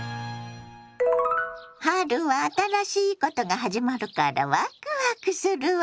春は新しいことが始まるからワクワクするわね。